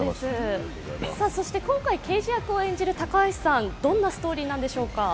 そして今回、刑事役を演じる高橋さん、どんなストーリーなんでしょうか？